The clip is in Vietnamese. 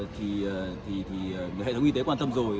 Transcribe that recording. thì hệ thống y tế quan tâm rồi